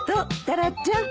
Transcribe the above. タラちゃん。